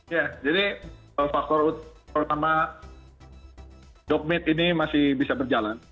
ya jadi pertama dog meat ini masih bisa berjalan